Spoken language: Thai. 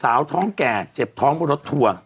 สาวท้องแก่เจ็บท้องเพราะรถถั่ว